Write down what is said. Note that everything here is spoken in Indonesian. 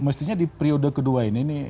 mestinya di periode kedua ini